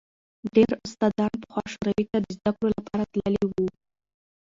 ډېر استادان پخوا شوروي ته د زدکړو لپاره تللي وو.